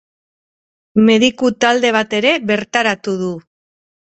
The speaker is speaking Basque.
Mediku talde bat ere bertaratu du.